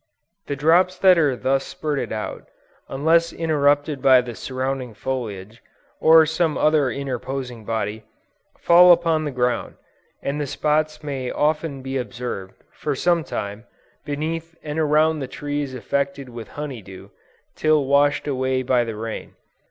The drops that are thus spurted out, unless interrupted by the surrounding foliage, or some other interposing body, fall upon the ground; and the spots may often be observed, for some time, beneath and around the trees affected with honey dew, till washed away by the rain.